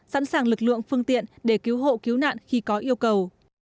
sẵn sàng lực lượng phương tiện để cứu hộ cứu nạn khi có yêu cầu